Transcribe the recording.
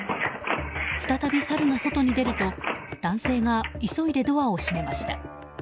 再びサルが外に出ると男性が急いでドアを閉めました。